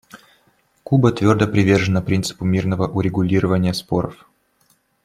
Куба твердо привержена принципу мирного урегулирования споров.